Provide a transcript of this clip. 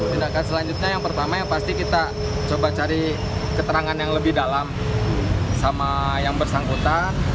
tindakan selanjutnya yang pertama yang pasti kita coba cari keterangan yang lebih dalam sama yang bersangkutan